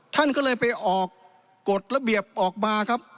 ท่านก็เลยไปออกกฎระเบียบออกมาครับ